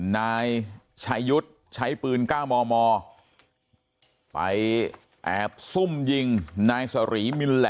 นายชายุทธ์ใช้ปืน๙มมไปแอบซุ่มยิงนายสรีมินแหละ